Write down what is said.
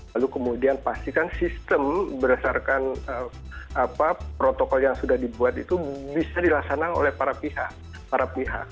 lalu kemudian pastikan sistem berdasarkan protokol yang sudah dibuat itu bisa dilaksanakan oleh para pihak